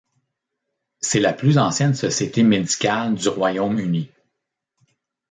C'est la plus ancienne société médicale du Royaume-Uni.